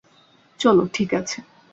চলো, ঠিক আছে।